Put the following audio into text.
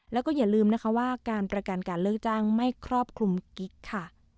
แล้วก็อย่าลืมนะคะว่าการประกันการเลิกจ้างไม่ครอบคลุมกิ๊กค่ะ